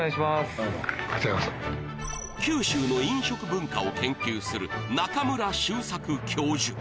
どうもこちらこそ九州の飲食文化を研究する中村周作教授